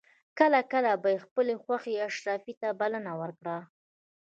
کله کله به یې خپلې خوښې اشرافي ته بلنه ورکړه.